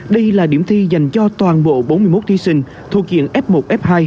đây là điểm thi dành cho toàn bộ bốn mươi một thí sinh thuộc diện f một f hai